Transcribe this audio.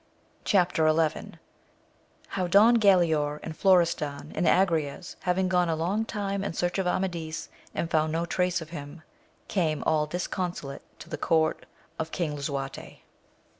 6 AMADIS OF GAUL. Chap. XI. — How Don Galaor and Florestan and Agrayes haring gone a long time in search of Amadis and found no trace of him, came all disconsolate to the Court of King Lisuartc.